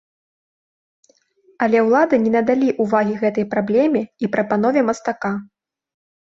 Але ўлады не надалі ўвагі гэтай праблеме і прапанове мастака.